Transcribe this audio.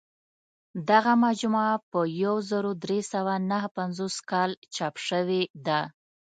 دغه مجموعه په یو زر درې سوه نهه پنځوس کال چاپ شوې ده.